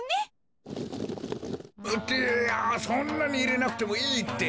ってあそんなにいれなくてもいいって。